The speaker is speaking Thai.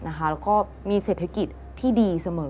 แล้วก็มีเศรษฐกิจที่ดีเสมอ